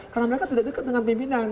karena mereka tidak dekat dengan pimpinan